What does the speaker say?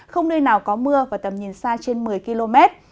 không nơi nào có mưa và tầm nhìn xa trên một mươi km